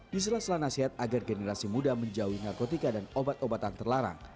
diselaslah nasihat agar generasi muda menjauhi narkotika dan obat obatan terlarang